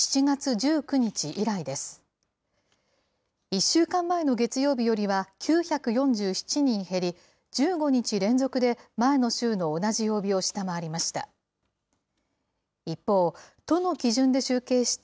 １週間前の月曜日よりは９４７人減り、１５日連続で前の週の同じ曜日を下回りました。